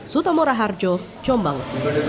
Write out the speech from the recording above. sutomora harjo jombang